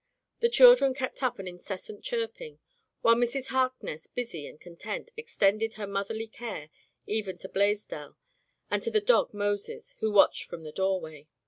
The children kept up an incessant chirping, while Mrs. Harkness, busy and content, extended her motherly care eyen to Blaisdell and to the dog Moses, who watched from the door way.